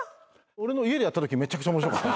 俺の家でやったときめちゃくちゃ面白かった。